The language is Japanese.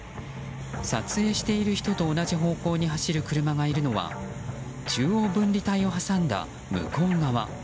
撮影している人と同じ方向に走る車がいるのは中央分離帯を挟んだ向こう側。